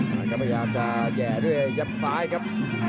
กำลังจะแห่ดด้วยยับฟ้ายครับ